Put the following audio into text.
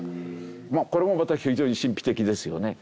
まあこれもまた非常に神秘的ですよね。